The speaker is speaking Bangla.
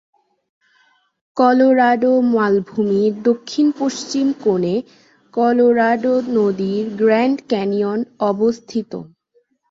কলোরাডো মালভূমির দক্ষিণ-পশ্চিম কোণে কলোরাডো নদীর গ্র্যান্ড ক্যানিয়ন অবস্থিত।